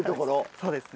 そうですね。